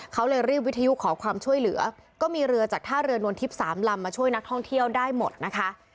เขาเลยรีบวิทยุขอความช่วยเหลือก็มีเรือจากท่าเรือนวลทิพย์สามลำมาช่วยนักท่องเที่ยวได้หมดนะคะ